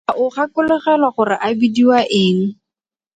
A o gakologelwa gore a bidiwa eng?